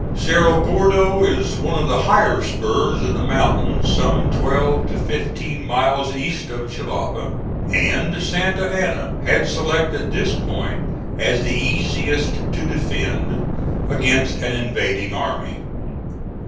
Cerro Gordo is one of the higher spurs of the mountains some twelve to fifteen miles east of Jalapa, and Santa Anna had selected this point as the easiest to defend against an invading army.